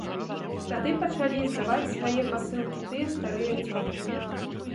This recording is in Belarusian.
Тады пачалі здаваць свае пасылкі тыя старыя цёткі.